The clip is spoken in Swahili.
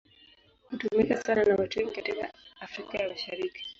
Hutumika sana na watu wengi katika Afrika ya Mashariki.